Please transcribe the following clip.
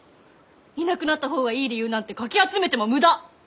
いなくなった方がいい理由なんてかき集めても無駄！